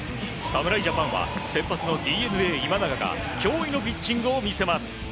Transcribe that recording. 侍ジャパンは先発のＤｅＮＡ、今永が驚異のピッチングを見せます。